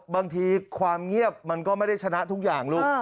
บางทีความเงียบมันก็ไม่ได้ชนะทุกอย่างลูก